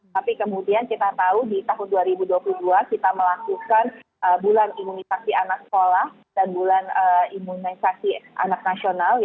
tapi kemudian kita tahu di tahun dua ribu dua puluh dua kita melakukan bulan imunisasi anak sekolah dan bulan imunisasi anak nasional